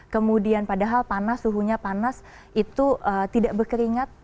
kemudian padahal panas suhunya panas itu tidak berkeringat